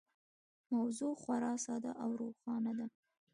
موضوع خورا ساده او روښانه ده.